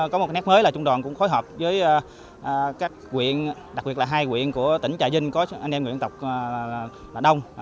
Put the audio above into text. có một cái nét mới là trung đoàn cũng khối hợp với các quyện đặc biệt là hai quyện của tỉnh trà vinh có anh em người dân tộc là đông